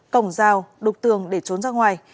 cổng rào đục tường để trốn ra ngoài